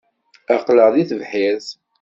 Aql-aɣ deg tebḥirt.